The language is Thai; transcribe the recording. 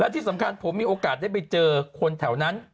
ที่สำคัญผมมีโอกาสได้ไปเจอคนแถวนั้น